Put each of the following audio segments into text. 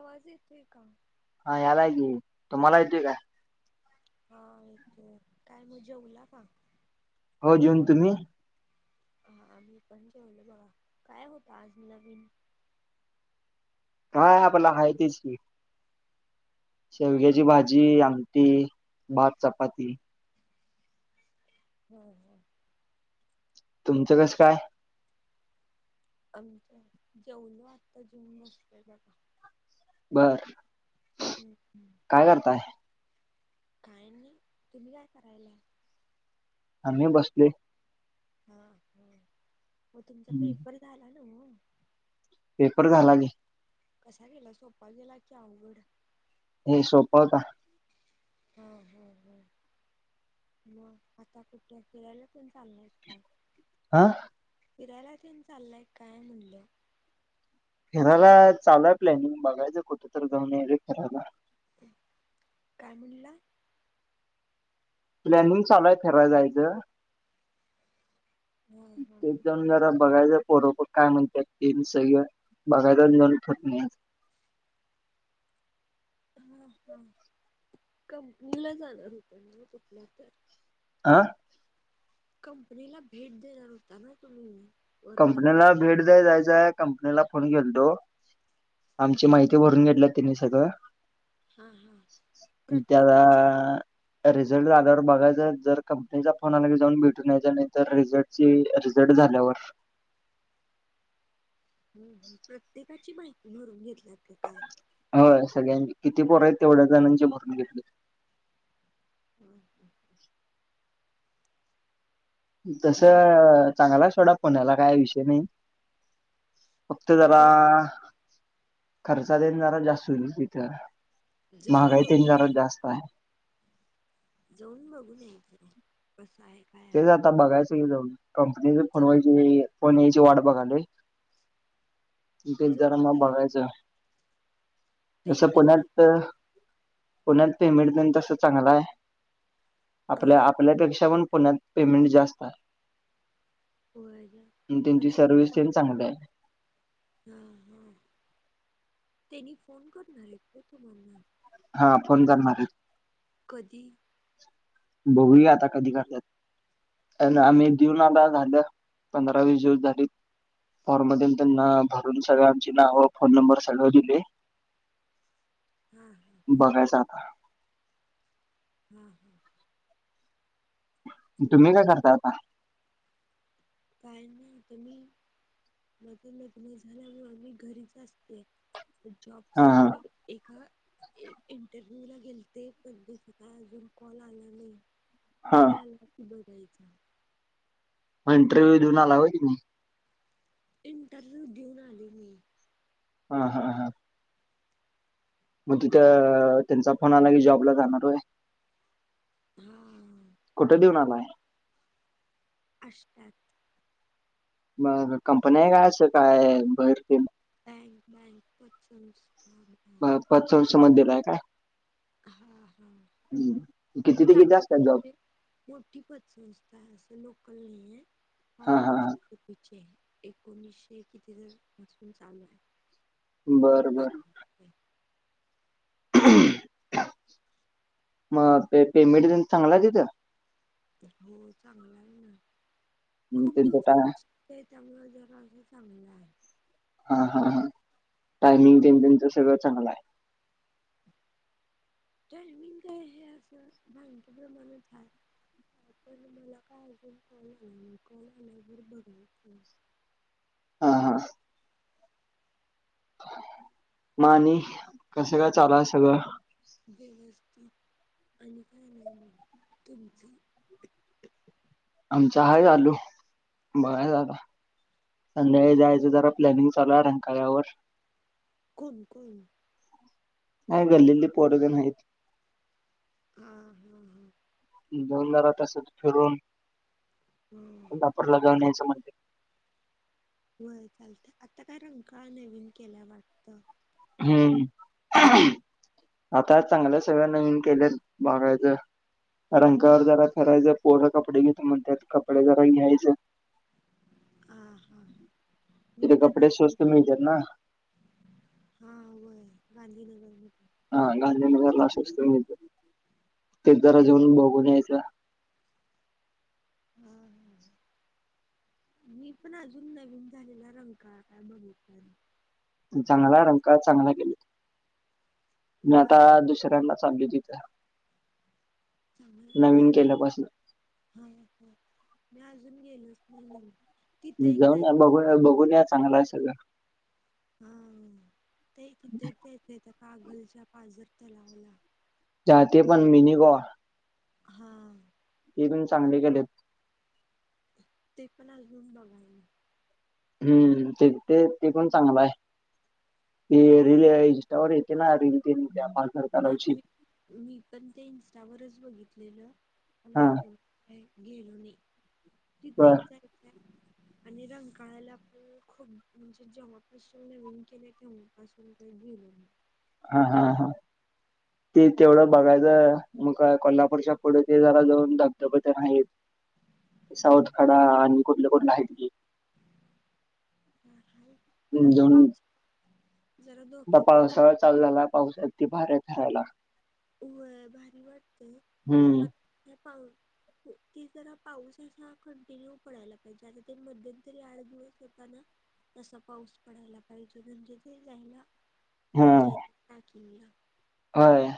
आवाज येतोय का. हा यालाय कि तुम्हाला येतोय काय. हा येतोय काय मग जेवला का. हो जेऊन तुम्ही. हा मी पण जेवले बघा, काय होत आज मग नवीन. काय आपल हाय तीच कि काय शेवग्याची भाजी. भाजी आमटी भात चपाती. हमम. तुमचं कसं काय. आमच, जेवल आता जेऊन बसलोय बगा. बरर... ह् हमंम. काय करताय. काय नाही तुम्ही काय करायलाय. आम्ही बसलोय. हा हा म तुमचा हम्म, पेपर झाला नव्ह. पेपर झाला कि. कसा गेला सोपा गेला की अवघड. हमम सोपा होता. हा हा हा. मग आता कुठे फिरायला तेन चालाय काय. हा... फिरायला तेन चाललाय काय म्हणलं. फीरायला चालू हाय प्लॅनिंग बघायचं कुठ तर जाऊन यायच फिरायला. हुम्म.. काय म्हणला.. प्लॅनिंग चालू आहे फिराय जायचं. हा हा. ते जाऊन जरा बघायचं पोरं कोण. काय म्हत्यात तेन सगळेजण बघायच आणि जावून ठरवुन यायचं. हा, हा. कंपनीला जाणार होता ना कुठल्यातर? हा... कंपनीला भेट देणार होता ना तुम्ही. वर्गातली कंपनीला भेट द्याय जायचय, कंपनीला फोन केलतो. आमची हा माहिती भरून घेतल्या त्यांनी, सगळं. हा हा त्याला. प्रत्येकाची रिझल्ट आल्यावर बघायच, जर कंपनीचा फोन आला की जाऊन भेटून यायचा, नाही तर रिझल्ट. चेंज, रिझल्ट झाल्यावर. ह, प्रत्येकाची माहिती भरून घेतलयात. की काय? हो, सगळ्यां किती पोर आहेत, तेवढ्या जणांचे भरून घेतले. हम् मग तसं चांगला हाय, सोडा पुण्याला, काय विषय नाही. फक्त जरा जाऊन बघ खर्च तेन जरा जास्त होईल तिथं. जाऊन महागाई ते न जरा बघू जास्त आहे. जाऊन बघून यायच, कस आहे? काय तेच आहे आता बघायचं की, जाऊन कंपनीच फोन ज वा्हायचे. फोन यायची वाट बघलोय, तेच आता जरा जाऊन मग बघित बघायचं. जसं त्यांनी तुम्हाला पुण्यात पुण्यात पेमेंट पण तस चांगला आहे, आपल्या, हा आपल्यापेक्षा पण पुण्यात पेमेंट जास्त आहे. होय आणि पण त्यांची सर्विस तेन चांगली आहे. हा, हा. त्यांनी फोन करणार आहेत का, हो तुम्हाला. हा, फोन करणार आहेत. कधी? बघूया, आता कधी करत्यात. आम्ही दिऊन आता झालं. पंधरा -वीस दिवस झाली. फॉर्म मधून त्यांना भरून, सगळं आमची नावं, फोन नंबर सगळं दिले. हा हा हा बघायच आता. हम हम. तुम्ही काय करता आता? काही नाही. तुम्ही? माझं लग्न झाल्यामुळे, मी घरीच असते. तर हा हा जॉबसाठी, एका. एक इंटरव्ह्यू ला गेलते. पण दुसरा अजून कॉल आला नाही. हा कॉल आला की, बघायचा. इंटरव्हू देऊन आला होय तूम्ही? इंटरव्ह्यू देऊन आली मी. हा- हा -हा. मग तिथं त्यांचा फोन आला की, जॉबला जाणार होय. हा. कुठं देऊन बघायचं, आलाय आष्टया त. कंपनी आहे काय? असं काय बाहेर तेन बँक, बँक पतसंस्था. पतसंस्थे मध्ये दिलाय काय? हा हा हम्, किती ते किती चांगलं असतात जॉब. म्हणजे मोठी पतसंस्था आहे. असं लोकल, नाही आहे. हा फार हा वर्ष हा कितीची आहे. एकोणीसशे, किती पासून चालू आहे. बर- बर. हम हम मग पेमेंट तेन चांगला आहे, तिथं. हो, चांगला आहे ना म्हणजे खूप त्यांचं काय दिवसा त्यामुळे, जरा चांगलं आहे. हा -हा -हा टायमिंग तेन त्यांच सगळं चांगलं आहे. [inaudible] टायमिंग काय, हे असं बँके प्रमाणाच हाय. पण मला काय अजून कॉल आला नाही. कॉल आल्यावर बघायच. हा हा. मग आणि कसं काय चालू हाय सगळं. व्यवस्थित आणि काय नाही तुमचे आमच हाय चालू बघायच आता संध्याकाळी जायचं जरा प्लॅनिंग चालू आहे. रंकाळ्यावर कोण कोण? नाही गल्लीतली पोर तेन अहित. हा हा हा जंगल्याला तस फिरून हम्म र लगवण्याचं म्हणज होय चालतं आता काय रंकाळ नवीन केल्या वाटत हम्म आता चांगल्या सगळ्या नवीन केल्यात बघायचं मी नाकारत जरा फिरायचं पोहरं कपडे घेत म्हणतात कपडे जरा घ्यायचे हा हा ह मी तिथे पण कपडे त स्वस्त मिळतात ना. हा व आहे गांधीनगर म तर हा गांधीनगर ला अस असतो तर ते मी पण जराजऊन बघून यायचं हम् हम् मी पण अजून नवीन झालेला रंकाळा का काय बघित चांगला रंकाळा चांगला गेले मी बघ आता दुसऱ्यांना चाललोय लोय तथ चांग चांग केल्यापासून ह मी अजून गेलोच महिनला जाऊन या बघू बघून या चांगला आहे सगळं हा ते तिथे एक जायचंय कागलच्या पाजर तलावला जात पण मीनी गो हा ते पण चांगले केलेत ते पण अजून बघाले हम्म ते ते ते पण चांगला आहे रील इवर येते ना रीलल ते हा तलावची म मी पण ते इंस्टावरच बघितलेलं प हा अजून का गेलो नाही तिथ बर एक जाय आणि रंग काळायला खू खूप म्हणजे जेवॉप विंग केले ते असल काही घी हा हा हा ते तेवढं बघायचं मग कोल्हापूरच्या पुढे ते जरा जाऊन धबधब्या ते नाहीत साऊथखडा आणि कुठलं हा, कुठलं आहेत की ह ह दोन धोक्यातच तपावसच चाललेला पाऊसात त भार आहे करायला उ भारी हम्म वत पा ती जरा पाऊस असा कंटिन्यू पडायला पाहिजे आता ते मध्यंतरी आठ दिवस होताना तसा पाऊस पडायला पाहिजे म्हणजे ते जायला मज्जा य टाकीला हय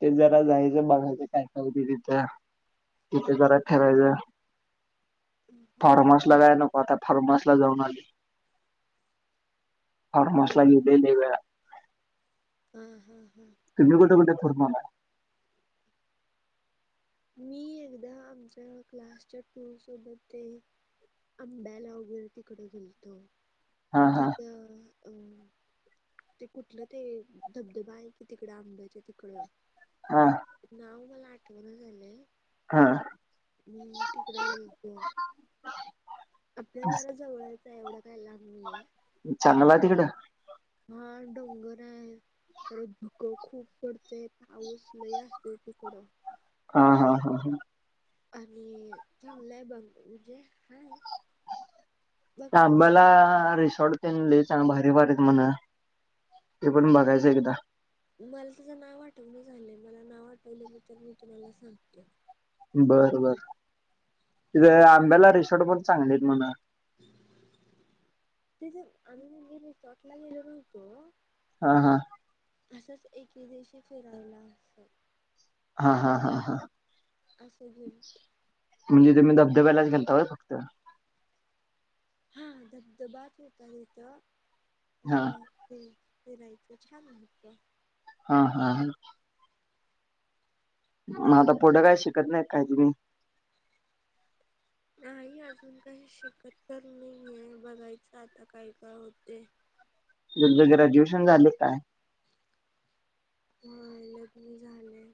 ते ज ला जायचं बघायच काय का होती तिथे तिथे जरा ठरायचं हम्म फार्मासला काय नको आता फार्मास ला जाऊन आली बरोबर [unintelligible] हम् हम् हम् तुम्ही कुठं कुठं फिरुन आलात मी एकदा आमच्या क्लासच्या टू सोबत ते आंब्याला वगैरे तिकडे घेोलतो हा हा तिथं अं ते कुठलं ते धबधबा आहे कि तिकडे आंबडायचे तिकड हा नाव मला आठवण झालंय हा हम तिकड गेलतो आपल्या जरा जवळयचं आहे एवढा काय लाब नाही आहे चांगलंय तिकडं हा डोंगर हाय. परत धुकं खूप पडतय पाऊस लय असतोय तिकडं. हा हा हा हा. आणि, चांगलंय बघ म्हणजे हाय अंबाला बघण्यासारखं रिसॉर्ट. तेन लई चां भारी भारी आहेत म्हण, ते पण बघायचं एकदा. मला त्याज नाव आठवण झालंय मला नाव आठवल तर मी तुम्हाला सांगतो. बर बर, इथे आंब्याला रिसॉर्ट पण चांगली हाईत म्हण. तेज आम्हीे कणी रिसॉर्टला गेलो नव्हतो. हा हा. असंच एके दिवशी फिरायला अस. हा हा हा हा. असं गेलतो. म्हणजे तुम्ही धब्यालाच गेलता व्हय फक्त. हा धबधबाच होता तिथ, अस हा ते. फिरायच छान होत. हा हा हा. म आता पुढं काय शिकत नाही काय तुम्ही? नाही अजून काही शिकत तर नाहीये बघायचं आता काय काय होतय. तुमच ग्रॅज्युएशन झालय का काय? होय लग्न झालय.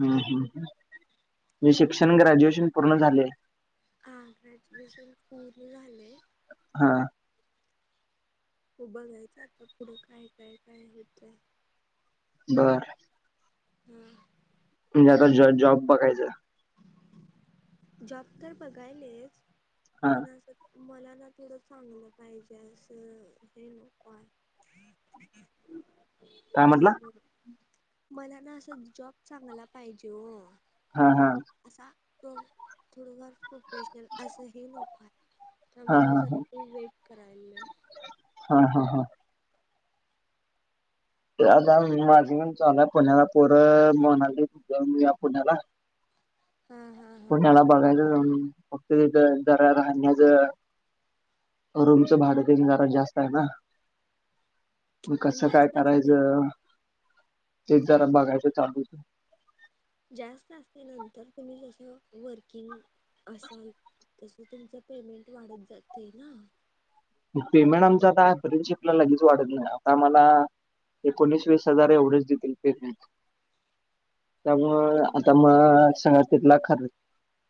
हम् हम, म्हणजे शिक्षण ग्रॅज्युएशन पूर्ण झालय. हा ग्रॅज्युएशन पूर्ण झालय. हा. बघायचा आता पुढं काय काय काय होतंय. बर. हम्म. म्हणजे आता ज जॉब बघायचं. जॉब तर बघायलेच, हा पण अस मला ना थोडं चांगलं पाहिजे असं हे नकोय. [inaudible] काय म्हटला? त्यामुळं, मला ना असं जॉब चांगला पाहिजे ओ. हा हा. असा, प्रो, थोडंफार प्रोफेशनल असं हे नको हाय. हा त्यामुळे हा जरा ते वेट करालोय. हा हा हा. आता माझ पण चालूय पुण्याला पोरं म्हणालतीत जाऊन येऊ या पुण्याला. हा हा. हा पुण्याला बघायचं जाऊन, फक्त तिथं जरा राहण्याचं रूमचं भाडं तेन जरा जास्त आहे ना. म पण कसं काय जास्त असते करायचं, तेच जरा बघायचं चालूये. जास्त असल्यानंतर तुम्ही जसं वर्किंग, असाल तस तुमच पेमेंट वाढत जातय ना. पेमेंट आमचं आता इंटर्नशिप ला लगेच वाढत नाही आता आम्हाला एकोणीस वीस हजार एवढेच देतील पेमेंट. त्यामुळ पण आता म नंतर सांगळा तिथला खरं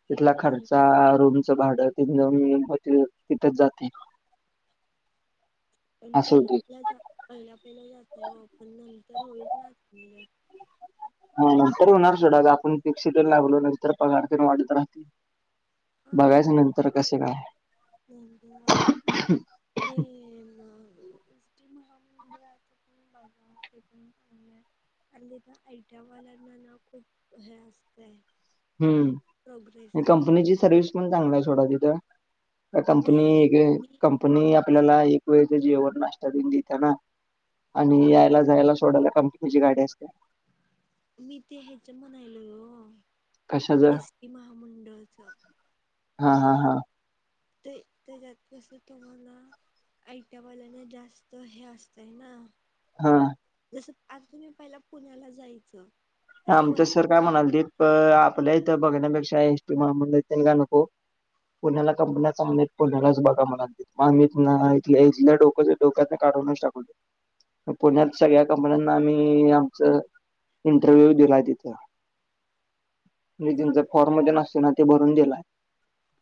तिथला पण खर्चा रूमचं भाडं तेन जाऊन येऊन तिथेच जातय. पण असं पहिलं होते. प पहिला पहिला जातय ओ पण नंतर होईल ना [unintelligible] हा नंतर होणार सोडा आपण फिक्स तेन लागलो नंतर पगारपण वाढत राहतय. बघायच नंतर कस काय. [unintelligible] इष्टी महामंडळा [unintelligible] आणि तिथं आय टी आय वाल्यांना ना खूप हे असतंय. हम्म, प्रोग्रेस आणि आहे कंपनीची सर्विस पण चांगली आहे सोडा तिथं. तर कंपनी नाही एक मी कंपनी आपल्याला एक वेळचं जेवण नाश्ता पण देत्या ना. आणि यायला जायला सोडायला कंपनीची गाडी असते. मी ते ह्याच म्हणायल हो. कशाच एस टी महामंडळच. हा हा हा ते त्याच्यात कसं तुम्हाला आयट्यावाल्यांना जास्त हे असतय ना हा जसं आज तुम्ही पहिला पुण्याला जायचं तिथं आमचं सर वर्किंग काय करत म्हणालते, त प आपल्या इथं बघण्यापेक्षा एस टी महामंडळ ते का नको. पुण्याला कंपन्या चांगल्या आहेत, पुण्यालाच बघा म्हणालते. मग मी इथ इथलं डोक्याच डोक्यात काढूनच टाकलोय. मग पुण्यात सगळ्या कंपन्यांना आम्ही आमचं इटरव्हू दिलाय तिथं, अन हा तेंचा फॉर्म तेन असते ना ते भरून दिलाय.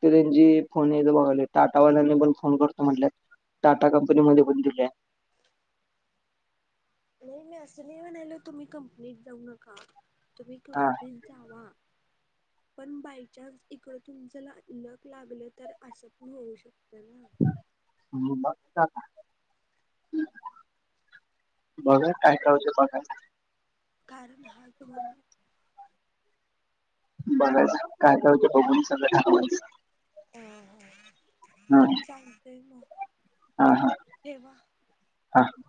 त त्यांची फोन येयच बघायलोय, टाटावाल्यांनी पण फोन करतो म्हटलेत. टाटा कंपनी मध्ये पण दिल्या. नाही मी असं नाही म्हणालो तुम्ही कंपनीत जाऊ नका, तुम्ही हा कंपनीत जावा. [inaudible] पण बायचान्स इकड तुम जर लक लागलं तर असं पण होऊ शकतं ना. हम्म बघता आता. बघा काय काय होतयं बघायच. कारण हा तुम्हाला बघायच, काय काय होतंय बघून सगळं ठरवायचं. हो हो, हा चालतंय मग. हा ठेवा. हा